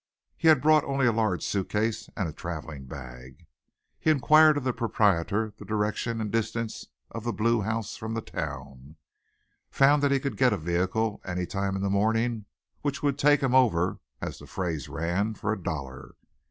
He had brought only a large suit case and a traveling bag. He inquired of the proprietor the direction and distance of the Blue house from the town, found that he could get a vehicle any time in the morning which would take him over, as the phrase ran, for a dollar.